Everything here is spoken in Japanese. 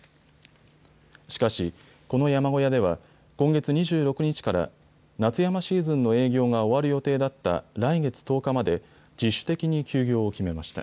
しかし、この山小屋では今月２６日から夏山シーズンの営業が終わる予定だった来月１０日まで自主的に休業を決めました。